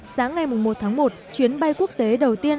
sáng ngày một tháng một chuyến bay quốc tế đầu tiên đến việt nam